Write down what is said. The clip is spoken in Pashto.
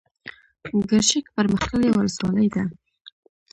ګرشک پرمختللې ولسوالۍ ده.